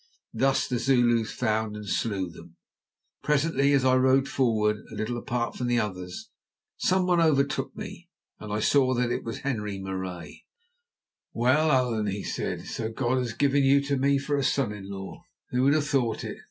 Thus the Zulus found and slew them. Presently as I rode forward a little apart from the others someone overtook me, and I saw that it was Henri Marais. "Well, Allan," he said, "so God has given you to me for a son in law. Who would have thought it?